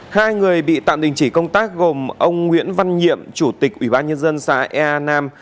hai người bị tạm đình chỉ công tác gồm ông nguyễn văn nhiệm chủ tịch ủy ban nhân dân xã ea nam